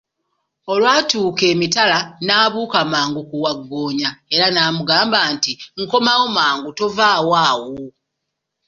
Olwatuuka emitala n'abuuka mangu ku wagggoonya era n'amugamba nti, nkomawo mangu, tovaawo awo!